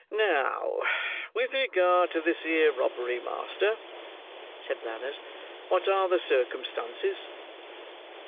"Now, with regard to this here robbery, master," said Blathers. "What are the circumstances?"